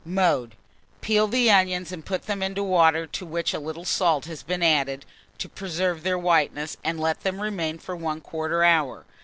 Mode. Peel the onions and put them into water to which a little salt has been added, to preserve their whiteness, and let them remain for 1/4 hour.